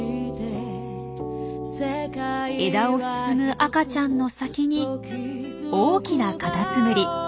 枝を進む赤ちゃんの先に大きなカタツムリ。